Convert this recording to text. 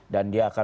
dan dia akan